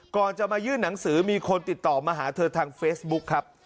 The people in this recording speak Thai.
ก่อนจะมายื่นหนังสือมีคนติดต่อมาหาเธอทางเฟซบุ๊คครับ